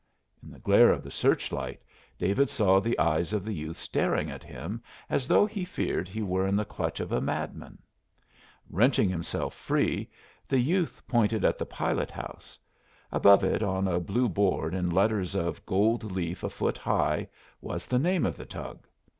In the glare of the search light David saw the eyes of the youth staring at him as though he feared he were in the clutch of a madman. Wrenching himself free, the youth pointed at the pilot house. Above it on a blue board in letters of gold leaf a foot high was the name of the tug.